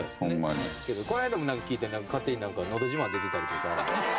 この間もなんか聞いたら、勝手になんかのど自慢出てたりとか。